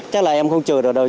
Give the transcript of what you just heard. chắc là em không chờ được đâu